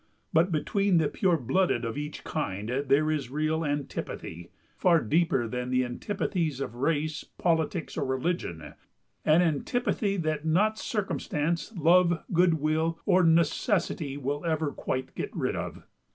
But between the pure blooded of each kind there is real antipathy, far deeper than the antipathies of race, politics, or religion—an antipathy that not circumstance, love, goodwill, or necessity will ever quite get rid of.